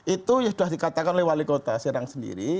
itu ya sudah dikatakan oleh wali kota serang sendiri